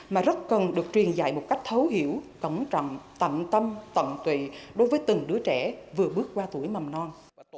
mà rất cần được truyền dạy một cách thấu hiểu cẩn trọng tạm tâm tận tùy đối với từng đứa trẻ vừa bước qua tuổi mầm non